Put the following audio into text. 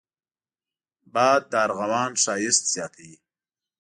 باد د ارغوان ښايست زیاتوي